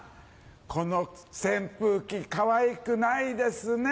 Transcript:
この扇風機かわいくないですね。